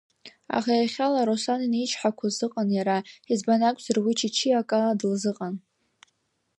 Аха иахьала Руслан иничҳақәоз ыҟан иара, избан акәзар уи Чычиа акала дылзыҟан.